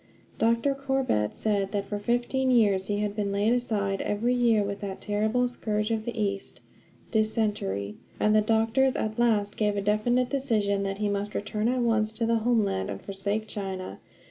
Dr. Corbett said that for fifteen years he had been laid aside every year with that terrible scourge of the East dysentery; and the doctors at last gave a definite decision that he must return at once to the homeland and forsake China.